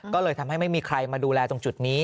ก็เลยทำให้ไม่มีใครมาดูแลตรงจุดนี้